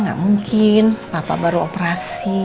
nggak mungkin papa baru operasi